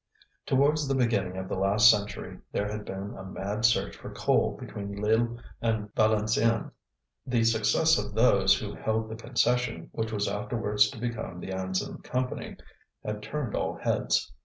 Towards the beginning of the last century, there had been a mad search for coal between Lille and Valenciennes. The success of those who held the concession, which was afterwards to become the Anzin Company, had turned all heads.